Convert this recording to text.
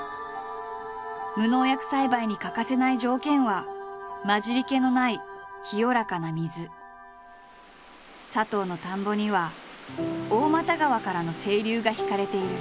無農薬栽培に欠かせない条件は混じりけのない佐藤の田んぼには大又川からの清流が引かれている。